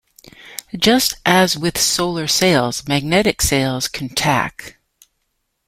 Just as with solar sails, magnetic sails can "tack".